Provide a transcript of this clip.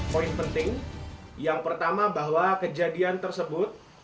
poin penting yang pertama bahwa kejadian tersebut